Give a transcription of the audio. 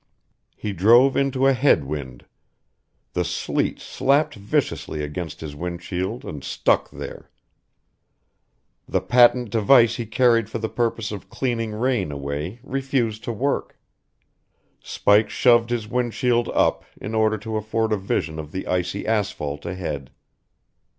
He drove into a head wind. The sleet slapped viciously against his windshield and stuck there. The patent device he carried for the purpose of clearing rain away refused to work. Spike shoved his windshield up in order to afford a vision of the icy asphalt ahead.